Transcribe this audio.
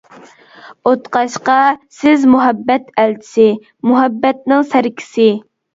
ئوتقاشقا سىز مۇھەببەت ئەلچىسى، مۇھەببەتنىڭ سەركىسى.